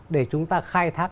để chúng ta khai thác